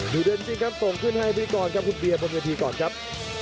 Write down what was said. ดูเดินจริงครับส่งขึ้นให้พี่ก่อนครับคุณเบียร์พร้อมกันทีก่อนครับ